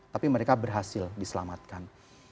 tapi mereka berhasil diselamatkan